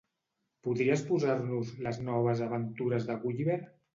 Podries posar-nos "Les noves aventures de Gulliver"?